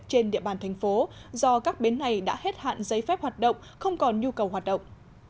trên địa bàn thành phố do các bến này đã hết hạn giấy phép hoạt động không còn nhu cầu hoạt động